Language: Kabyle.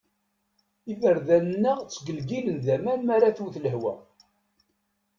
Iberdan-nneɣ ttgelgilen d aman m'ara twet lehwa.